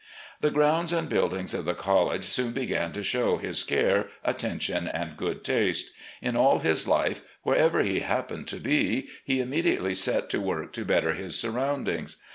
The grounds and buildings of the college soon began to show his care, attention, and good taste. In all his life, wherever he happened to be, he immediately set to work to better his surroundings.